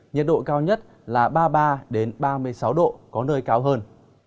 nhiệt độ cao nhất là ba mươi ba ba mươi sáu độ có nơi cao hơn